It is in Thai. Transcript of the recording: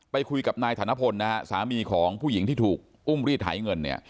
ไปคุยกับนายธนพลนะฮะสามีของผู้หญิงที่ถูกอุ้มรีดไถเงินเนี่ย